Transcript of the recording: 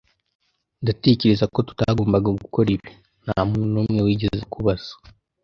"Ndatekereza ko tutagomba gukora ibi." "Nta muntu n'umwe wigeze akubaza."